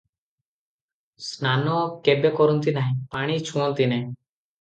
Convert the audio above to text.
ସ୍ନାନ କେବେ କରନ୍ତି ନାହିଁ, ପାଣି ଛୁଅନ୍ତି ନାହିଁ ।